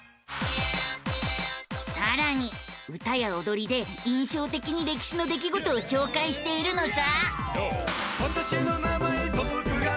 さらに歌やおどりで印象的に歴史の出来事を紹介しているのさ！